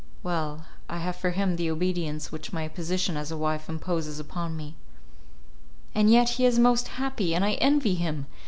well, I have for him the obedience which my position as a wife imposes upon me." "And yet he is most happy, and I envy him!